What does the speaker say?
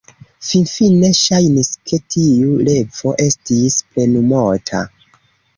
Finfine ŝajnis ke tiu revo estis plenumota.